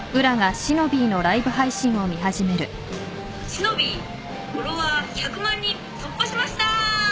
しのびぃフォロワー１００万人突破しました。